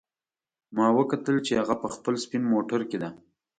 ما وکتل چې هغه په خپل سپین موټر کې ده